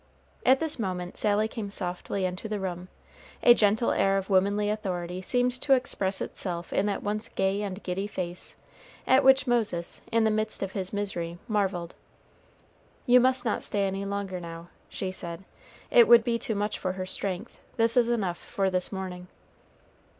At this moment Sally came softly into the room. A gentle air of womanly authority seemed to express itself in that once gay and giddy face, at which Moses, in the midst of his misery, marveled. "You must not stay any longer now," she said; "it would be too much for her strength; this is enough for this morning."